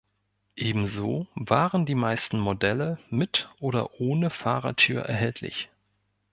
Ebenso waren die meisten Modelle mit oder ohne Fahrertür erhältlich.